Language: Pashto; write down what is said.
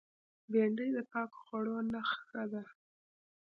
بېنډۍ د پاکو خوړو نخښه ده